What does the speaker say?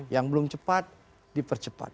yang belum cepat dipercepat